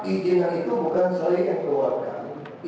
ideal itu bukan saya yang keluarkan